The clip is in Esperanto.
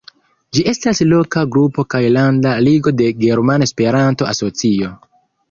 Ĝi estas loka grupo kaj landa ligo de Germana Esperanto-Asocio.